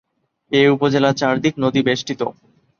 এ উপজেলার চারদিক নদী বেষ্টিত।